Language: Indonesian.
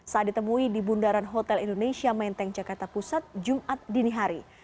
saat ditemui di bundaran hotel indonesia menteng jakarta pusat jumat dini hari